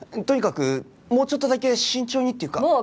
とにかくもうちょっとだけ慎重にっていうか。